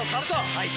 ・はい。